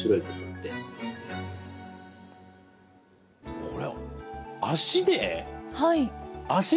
これ、足で？